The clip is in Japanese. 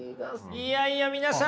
いやいや皆さん